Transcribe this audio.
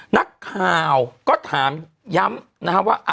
นักข่าวก็ถามย้ำนะครับว่า